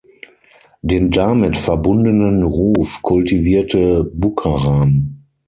Den damit verbundenen Ruf kultivierte Bucaram.